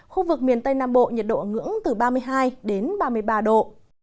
khu vực miền tây nam bộ nhiệt độ ngưỡng từ ba mươi hai đến ba mươi ba độ